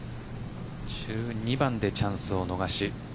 １２番でチャンスを逃し